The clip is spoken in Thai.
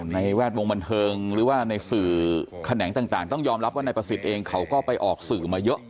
ในแวดวงบันเทิงหรือว่าในสื่อแขนงต่างต้องยอมรับว่านายประสิทธิ์เองเขาก็ไปออกสื่อมาเยอะ